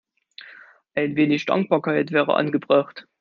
Ein wenig Dankbarkeit wäre angebracht.